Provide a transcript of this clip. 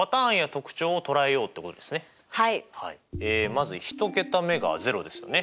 まず１桁目が０ですよね。